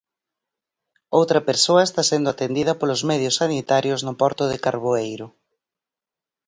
Outra persoa está sendo atendida polos medios sanitarios no porto de Carboeiro.